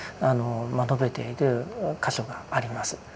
述べている箇所があります。